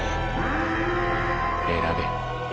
選べ。